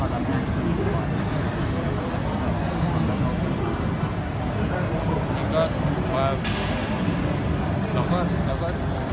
ว่าที่อย่างนี้ก็พอเป็นไปว่าก็ก็มีวิจัยเราเป็นคนบอกครับ